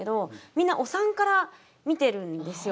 みんなお産から見てるんですよ。